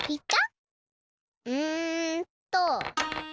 うんと。